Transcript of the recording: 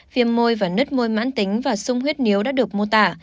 viêm môi và nứt môi mãn tính và sung huyết nếu đã được mô tả